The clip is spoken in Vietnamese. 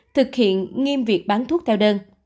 thực hiện nghiêm việc bán thuốc theo đơn